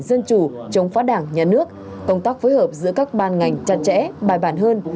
dân chủ chống phá đảng nhà nước công tác phối hợp giữa các ban ngành chặt chẽ bài bản hơn